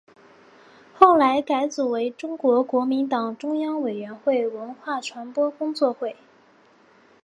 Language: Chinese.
后来改组为中国国民党中央委员会文化传播工作会。